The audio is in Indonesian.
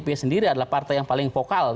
p sendiri adalah partai yang paling vokal